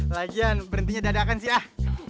lagian berhentinya dadahkan sih ah